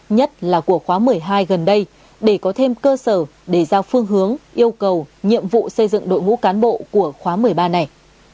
nhất là của khóa một mươi hai gần đây để có thêm cơ sở để ra phương hướng yêu cầu nhiệm vụ xây dựng đội ngũ cán bộ của khóa một mươi ba này